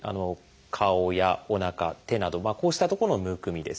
顔やおなか手などこうした所のむくみですね。